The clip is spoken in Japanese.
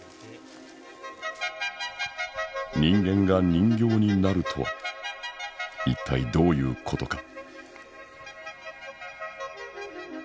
人間が人形になるとは一体どういうことか？